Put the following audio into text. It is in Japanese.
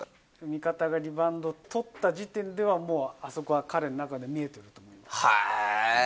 味方がリバウンド取った時点ではもうあそこは、彼の中で見えへぇー。